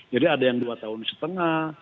jadi ada yang dua tahun setengah